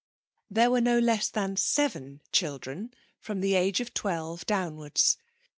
There were no less than seven children, from the age of twelve downwards.